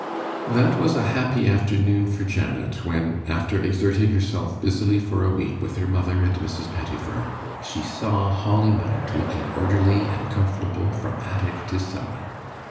That was a happy afternoon for Janet, when, after exerting herself busily for a week with her mother and Mrs. Pettifer, she saw Holly Mount looking orderly and comfortable from attic to cellar.